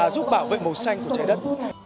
giúp bảo vệ màu xanh của trái đất